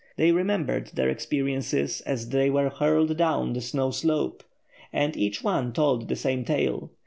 They remembered their experiences as they were hurled down the snow slope, and each one told the same tale.